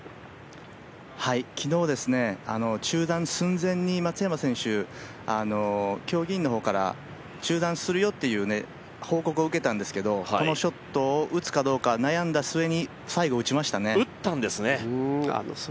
昨日、中断寸前に松山選手、競技員の人から中断するよっていう報告を受けたんですけれども、このショットを打つかどうか悩んだ末に、最後打ちましたね。